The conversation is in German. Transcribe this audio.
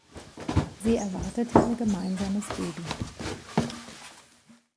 Sie erwartete ihr gemeinsames Baby.